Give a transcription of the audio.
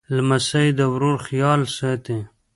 لمسی د ورور خیال ساتي.